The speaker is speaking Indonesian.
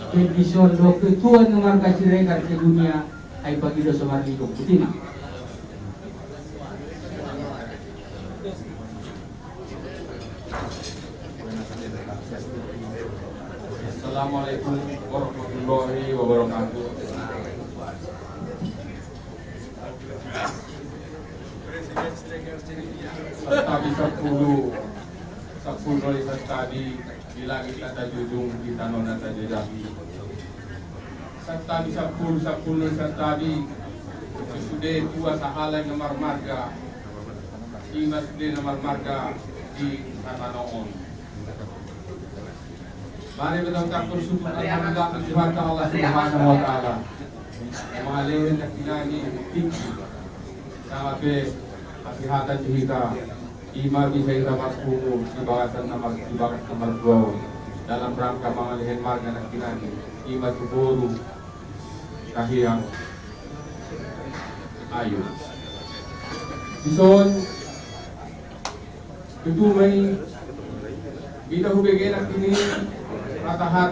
jika ada yang menggunakan kata kata yang berbeda dengan doa